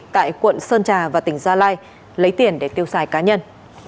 tại quận sơn trà và tỉnh gia lai lấy tiền để tiêu xài cá nhân